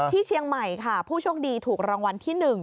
ที่เชียงใหม่ค่ะผู้โชคดีถูกรางวัลที่๑